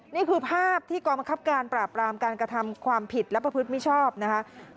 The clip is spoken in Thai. นี่คือภาพที่กองบังคับการปราบรามการกระทำความผิดและประพฤติมิชชอบนะคะ